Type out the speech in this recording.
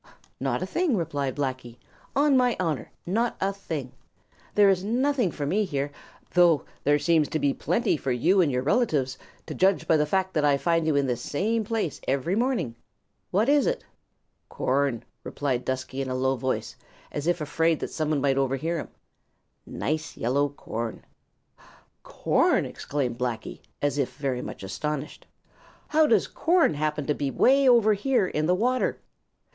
"Not a thing," replied Blacky. "On my honor, not a thing. There is nothing for me here, though there seems to be plenty for you and your relatives, to judge by the fact that I find you in this same place every morning. What is it?" "Corn," replied Dusky in a low voice, as if afraid some one might overhear him. "Nice yellow corn." "Corn!" exclaimed Blacky, as if very much astonished. "How does corn happen to be way over here in the water?"